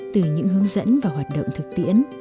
từ những hướng dẫn và hoạt động thực tiễn